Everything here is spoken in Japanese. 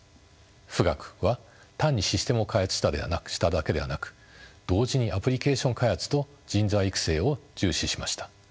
富岳は単にシステムを開発しただけではなく同時にアプリケーション開発と人材育成を重視しました。